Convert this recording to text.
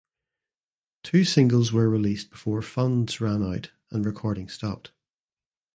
Two singles were released before funds ran out and recording stopped.